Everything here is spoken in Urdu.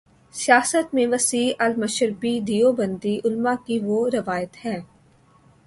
سیاست میں وسیع المشربی دیوبندی علما کی وہ روایت ہے۔